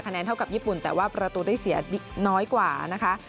แนนเท่ากับญี่ปุ่นแต่ว่าประตูได้เสียน้อยกว่านะคะ